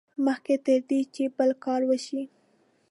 مخکې تر دې چې بل کار وشي.